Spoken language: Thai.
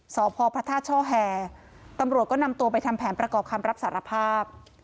สพพระธาตุช่อแห่ตำรวจก็นำตัวไปทำแผนประกอบคำรับสารภาพ